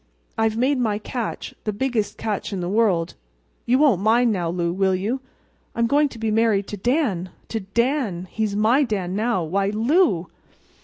I've made my catch—the biggest catch in the world. You won't mind now Lou, will you?—I'm going to be married to Dan—to Dan!—he's my Dan now—why, Lou!"